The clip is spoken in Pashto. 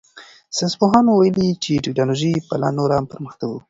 ساینس پوهانو ویلي چې تکنالوژي به لا نوره پرمختګ وکړي.